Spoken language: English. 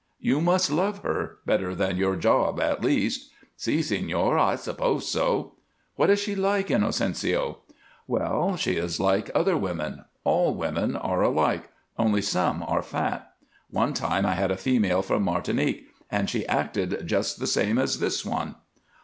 "You must love her better than your job at least?" "Si, señor. I suppose so." "What is she like, Inocencio?" "Well, she is just like other women. All women are alike only some are fat. One time I had a female from Martinique, and she acted just the same as this one."